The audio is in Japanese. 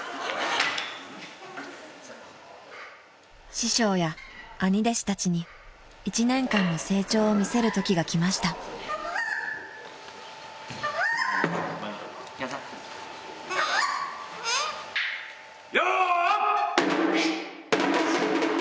［師匠や兄弟子たちに一年間の成長を見せるときが来ました］よ！